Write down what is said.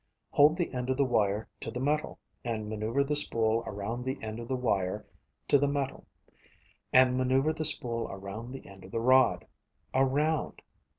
Hold the end of the wire to the metal, and maneuver the spool around the end of the wire to the metal, and maneuver the spool around the end of the rod. Around.